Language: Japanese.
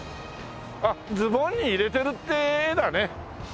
あっズボンに入れてるって！だね。